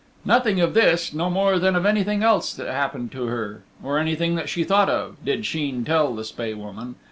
Nothing of this no more than of anything else that happened to her, or anything that she thought of, did Sheen tell the Spae Woman.